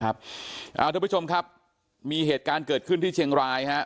ท่านผู้ชมครับมีเหตุการณ์เกิดขึ้นที่เชียงรายฮะ